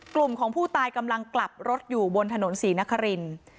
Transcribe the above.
กลุ่มของผู้ตายกำลังกลับรถอยู่บนถนนศรีนคริน